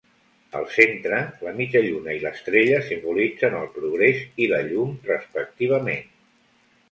Al centre, la mitja lluna i l'estrella simbolitzen el progrés i la llum respectivament.